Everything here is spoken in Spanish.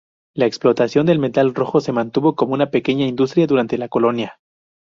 La explotación del metal rojo se mantuvo como una pequeña industria durante la colonia.